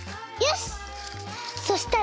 よし！